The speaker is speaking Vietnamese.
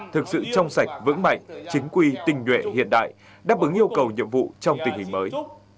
thực sự trong sạch vững mạnh chính quy tình nguyện hiện đại đáp ứng yêu cầu nhiệm vụ trong tình hình mới